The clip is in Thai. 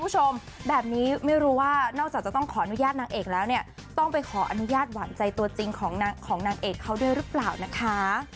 หวั่นใจตัวจริงของนางเอกเขาด้วยหรือเปล่านะคะ